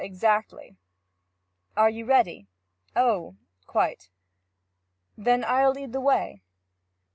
exactly.' 'Are you ready?' 'Oh quite.' 'Then I'll lead the way.'